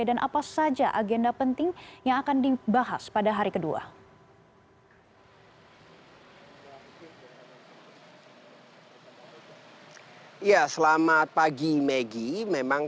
dan apa saja agenda penting yang akan dibahas pada hari kedua